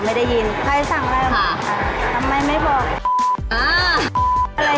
พ่อทำอยู่ในครัวแต่แม่อยู่ข้างนอกเป็นเด็กเสิร์ฟ